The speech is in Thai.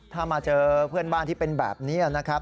ถ้ามาเจอเพื่อนบ้านที่เป็นแบบนี้นะครับ